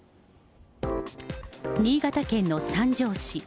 新潟県の三条市。